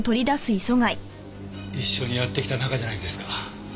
一緒にやってきた仲じゃないですか。